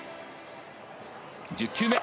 １０球目。